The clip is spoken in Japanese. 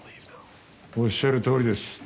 おっしゃるとおりです。